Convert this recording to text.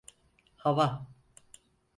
Hava…